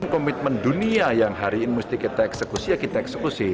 komitmen dunia yang hari ini mesti kita eksekusi ya kita eksekusi